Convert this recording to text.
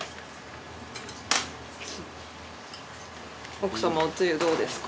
奥様おつゆどうですか？